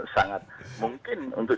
sangat mungkin untuk